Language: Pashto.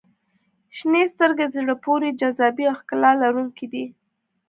• شنې سترګې د زړه پورې جاذبې او ښکلا لرونکي دي.